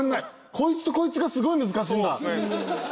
こいつとこいつがすごい難しいんだ。